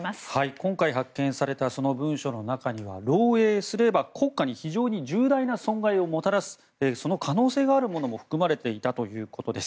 今回発見されたその文書の中には漏洩すれば国家に非常に重大な損害をもたらす可能性があるものも含まれていたということです。